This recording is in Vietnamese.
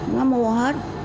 nó mua hết